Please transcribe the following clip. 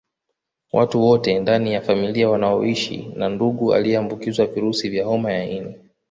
Watu wote ndani ya familia wanaoshi na ndugu aliyeambukizwa virusi vya homa ya ini